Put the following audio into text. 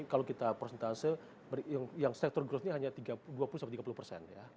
kalau kita persentase yang sektor growth ini hanya dua puluh tiga puluh persen ya